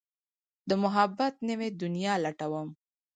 د محبت نوې دنيا لټوم